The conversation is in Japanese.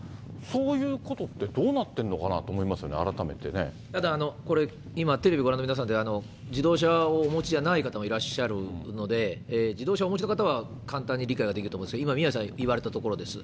そういうことってどうなってんのただ、これ、今テレビご覧の皆さんで、自動車をお持ちじゃない方もいらっしゃるので、自動車をお持ちの方は簡単に理解ができると思うんですけれども、今、宮根さんが言われたところです。